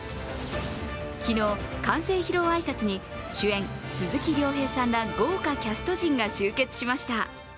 昨日、完成披露挨拶に主演・鈴木亮平さんら豪華キャスト陣が集結しました。